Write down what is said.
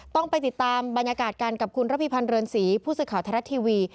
ต้องไปติดตามบรรยากาศกันกับคุณระพิพันธ์เรือนศรีผู้สื่อข่าวไทยรัฐทีวี